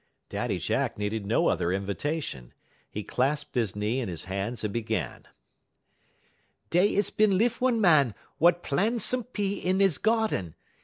Daddy Jack needed no other invitation. He clasped his knee in his hands and began: "Dey is bin lif one Màn wut plan' some pea in 'e geerden.